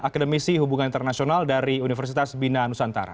akademisi hubungan internasional dari universitas bina nusantara